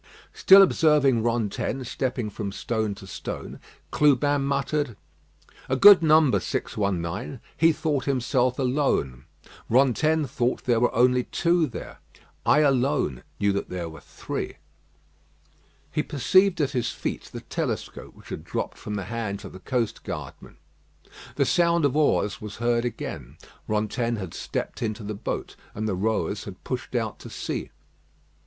Still observing Rantaine stepping from stone to stone, Clubin muttered: "A good number 619. He thought himself alone. Rantaine thought there were only two there. I alone knew that there were three." He perceived at his feet the telescope which had dropped from the hands of the coast guardman. The sound of oars was heard again. Rantaine had stepped into the boat, and the rowers had pushed out to sea.